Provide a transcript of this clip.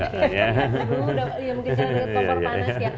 dulu mungkin dekat kompor panas ya